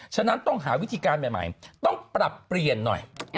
ฉะนั้นต้องหาวิธีการใหม่ต้องปรับเปลี่ยนหน่อย